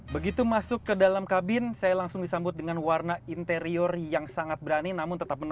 begitu masuk ke dalam kabin saya langsung disambut dengan warna interior yang sangat berani namun tetap menarik